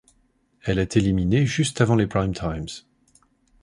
Elle est éliminée juste avant les prime times.